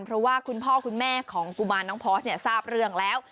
เพราะว่าคุณพ่อคุณแม่ของกุมารน้องพอสทราบเรื่องแล้ว